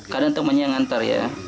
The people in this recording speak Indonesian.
kadang temannya yang ngantar ya